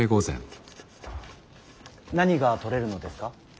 何が捕れるのですか。